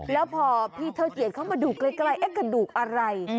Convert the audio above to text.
แล้วพอพี่เทอร์เกียรติเข้ามาดูกใกล้ไอ้กระดูกอะไร